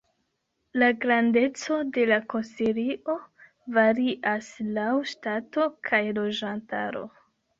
La grandeco de la konsilio varias laŭ ŝtato kaj loĝantaro.